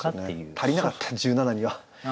足りなかった十七には。